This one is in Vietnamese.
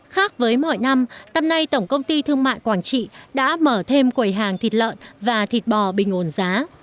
khác với mỗi năm tầm nay tổng công ty thương mại quảng trị đã mở thêm quầy hàng thịt lợn và thịt bò bình ồn giá